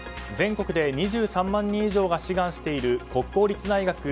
全国で２３万人以上が志願している国公立大学